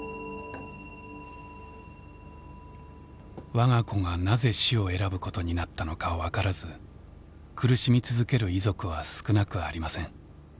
我が子がなぜ死を選ぶことになったのか分からず苦しみ続ける遺族は少なくありません。